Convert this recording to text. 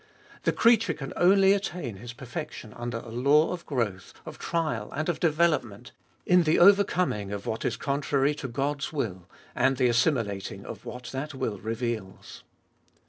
The creature can only attain his perfection under a law of growth, of trial, and of development, in the overcoming of what is con trary to God's will, and the assimilating of what that will reveals.